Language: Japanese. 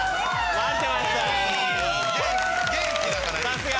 さすが。